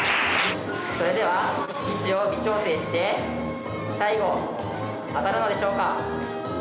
それでは位置を微調整して最後当たるのでしょうか。